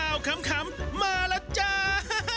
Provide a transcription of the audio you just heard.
ตะลอนข่าวขำมาแล้วจ้า